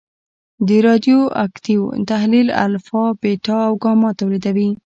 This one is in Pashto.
د رادیواکتیو تحلیل الفا، بیټا او ګاما تولیدوي.